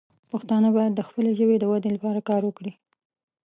پښتانه باید د خپلې ژبې د ودې لپاره کار وکړي.